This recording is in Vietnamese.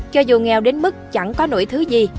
cho dù nghèo đến mức chẳng có nỗi thứ gì